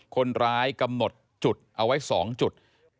คนร้ายกำหนดจุดเอาไว้๒จุด